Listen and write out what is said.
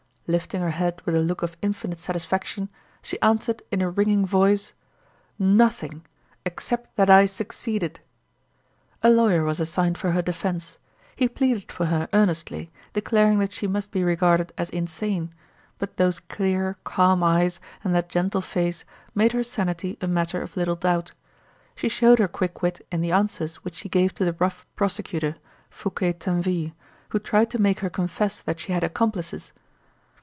Lifting her head with a look of infinite satisfaction, she answered in a ringing voice: "Nothing except that I succeeded!" A lawyer was assigned for her defense. He pleaded for her earnestly, declaring that she must he regarded as insane; but those clear, calm eyes and that gentle face made her sanity a matter of little doubt. She showed her quick wit in the answers which she gave to the rough prosecutor, Fouquier Tinville, who tried to make her confess that she had accomplices.